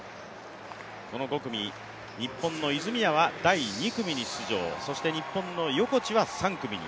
この５組、日本の泉谷は第２組に出場、日本の横地は３組に。